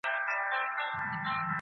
که چا تشدد وکړ، هغه د قران مخالفت کوي.